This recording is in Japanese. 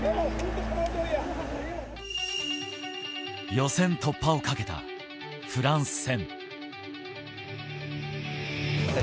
予選突破をかけたフランス戦。